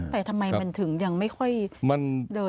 แต่ทำไมมันถึงยังไม่ค่อยเดินหน้าเท่าไหร่